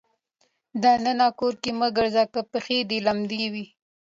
د ننه کور کې مه ګرځه که پښې دې لمدې وي.